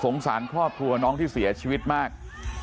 สงสารพ่อพว่าน้องที่เสียชีวิตมาก